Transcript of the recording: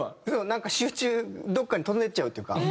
なんか集中どこかに飛んでいっちゃうっていうか。